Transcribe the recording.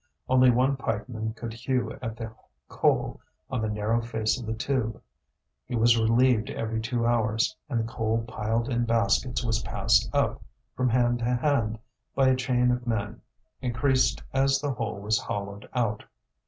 Only one pikeman could hew at the coal on the narrow face of the tube; he was relieved every two hours, and the coal piled in baskets was passed up, from hand to hand, by a chain of men, increased as the hole was hollowed out.